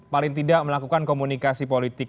paling tidak melakukan komunikasi politik